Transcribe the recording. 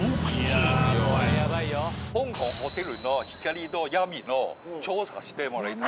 香港ホテルの光と闇の調査してもらいたい。